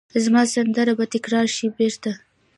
زما سندره به تکرار شي بیرته